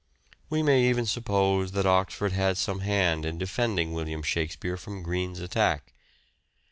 We may even suppose that Oxford had some hand in defending William Shakspere from Greene's attack.